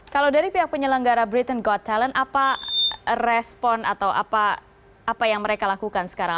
kalau dari pihak penyelenggara briton god talent apa respon atau apa yang mereka lakukan sekarang